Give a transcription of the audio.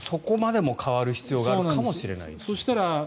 そこまでも変わる必要があるかもしれない。